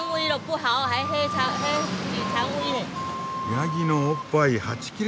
ヤギのおっぱいはち切れそう！